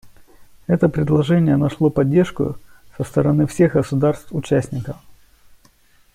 Это предложение нашло поддержку со стороны всех государств-участников.